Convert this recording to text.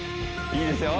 いいですよ